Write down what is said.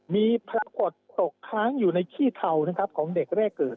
มีปรากฏตกค้างอยู่ในขี้เทานะครับของเด็กแรกเกิด